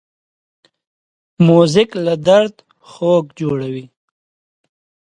موزیک له درد خوږ جوړوي.